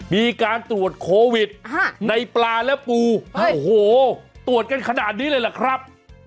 มีการตรวจโควิดในปลาและปูโอ้โหตรวจกันขนาดนี้เลยล่ะครับ